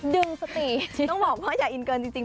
ต้องบอกให้อย่าอินเกินจริง